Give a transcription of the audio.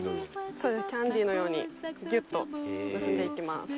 そうですキャンディーのようにギュッと結んでいきます。